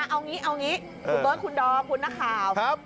เอางี้คุณเบิร์ตคุณดอมคุณนักข่าว